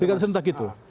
pilkada serentak itu